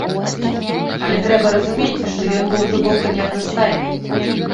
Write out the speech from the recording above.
Але трэба разумець, што ён быў глыбока неаднастайны.